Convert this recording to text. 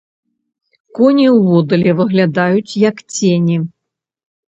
Коні ўводдалі выглядаюць, як цені.